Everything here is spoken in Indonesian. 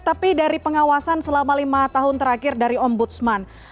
tapi dari pengawasan selama lima tahun terakhir dari ombudsman